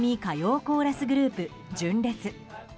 歌謡コーラスグループ純烈。